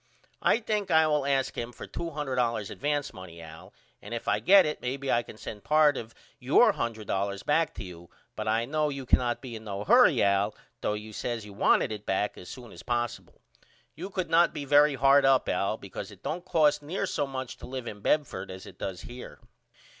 I think I will ask him for $200 advance money Al and if I get it may be I can send part of your $100 back to you but I know you cannot be in no hurry Al though you says you wanted it back as soon as possible. You could not be very hard up Al because it don't cost near so much to live in Bedford as it does up here.